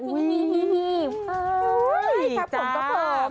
อุ้ยจากผมก็เพิ่ม